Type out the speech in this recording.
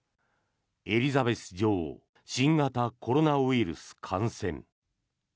エリザベス女王新型コロナウイルス感染。